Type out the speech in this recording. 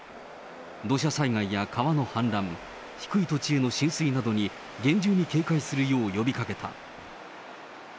土砂災害や川の氾濫、低い土地への浸水などに、厳重に警戒するよう呼びかけた。